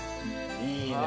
いいね。